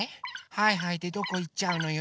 はいはいでどこいっちゃうのよ。